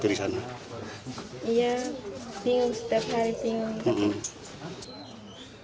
iya bingung setiap hari bingung